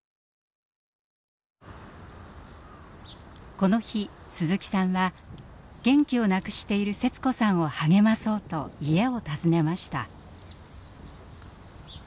この日鈴木さんは元気をなくしているセツ子さんを励まそうと家を訪ねました。